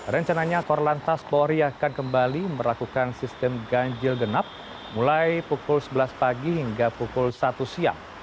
rencananya korlantas polri akan kembali melakukan sistem ganjil genap mulai pukul sebelas pagi hingga pukul satu siang